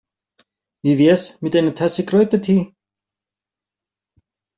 Wie wär's mit einer Tasse Kräutertee?